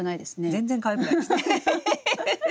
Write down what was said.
全然かわいくないですね。